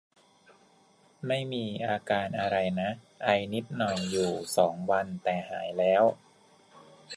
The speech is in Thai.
ไม่มีอาการอะไรนะ ไอนิดหน่อยอยู่สองวัน แต่หายแล้ว